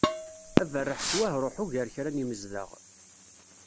Aberreḥ s wahruḥu gar kra n yimezdaɣ